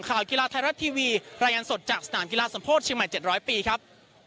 กีฬาไทยรัฐทีวีรายงานสดจากสนามกีฬาสมโพธิเชียงใหม่๗๐๐ปีครับ